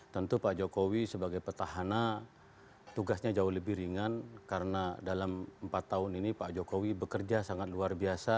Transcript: tentu pak jokowi sebagai petahana tugasnya jauh lebih ringan karena dalam empat tahun ini pak jokowi bekerja sangat luar biasa